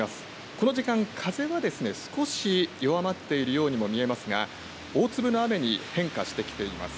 この時間、風は少し弱まっているようにも見えますが大粒の雨に変化してきています。